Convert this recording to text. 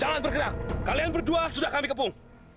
jangan bergerak kalian berdua sudah kami kepung